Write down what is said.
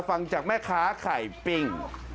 ฟังจากแม่ค้าไข่ปิ้ง